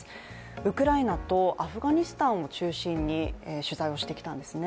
ウクライナとアフガニスタンを中心に取材をしてきたんですね。